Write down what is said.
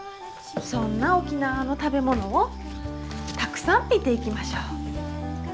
そんな沖縄の食べ物をたくさん見ていきましょう。